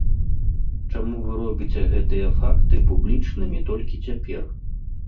Чаму вы робіце гэтыя факты публічнымі толькі цяпер?